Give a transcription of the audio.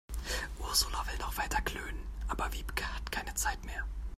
Ursula will noch weiter klönen, aber Wiebke hat keine Zeit mehr.